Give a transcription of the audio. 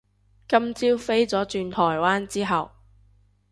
今朝飛咗轉台灣之後